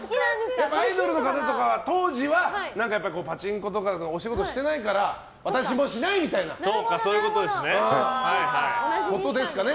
アイドルの方とかは、当時はパチンコとかのお仕事してないから私もしないみたいなことですかね。